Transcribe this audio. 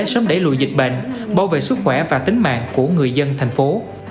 sớm đẩy lùi dịch bệnh bảo vệ sức khỏe và tính mạng của người dân thành phố